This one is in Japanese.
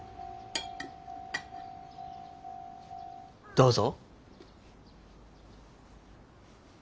どうぞ。